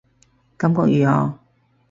感覺如何